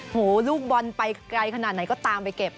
ลูกบอลไปไกลขนาดไหนก็ตามไปเก็บ